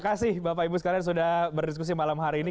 terima kasih bapak ibu sekalian sudah berdiskusi malam hari ini